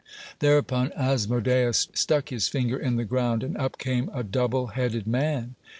Thereupon Asmodeus stuck his finger in the ground, and up came a double headed man.